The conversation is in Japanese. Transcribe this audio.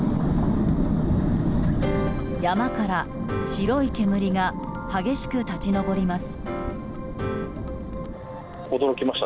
山から白い煙が激しく立ち上ります。